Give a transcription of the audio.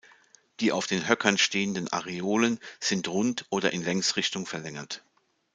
Die auf den Höckern stehenden Areolen sind rund oder in Längsrichtung verlängert.